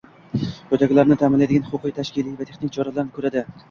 quyidagilarni ta’minlaydigan huquqiy, tashkiliy va texnik choralarni ko‘radi: